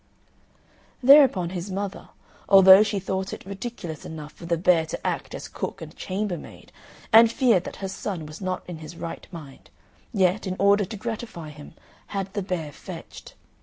Thereupon his mother, although she thought it ridiculous enough for the bear to act as cook and chambermaid, and feared that her son was not in his right mind, yet, in order to gratify him, had the bear fetched.